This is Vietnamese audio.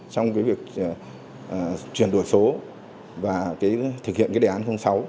trong việc chuyển đổi số và thực hiện đề án sáu